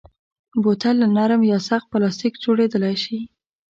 بوتل له نرم یا سخت پلاستیک جوړېدای شي.